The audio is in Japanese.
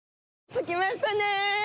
着きましたね！